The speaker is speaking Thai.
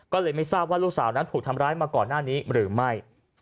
ก็เลยไม่ทราบว่าลูกสาวนั้นถูกทำร้ายมาก่อนหน้านี้หรือไม่